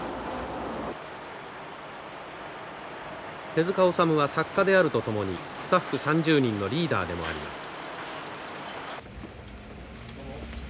手塚治虫は作家であるとともにスタッフ３０人のリーダーでもあります。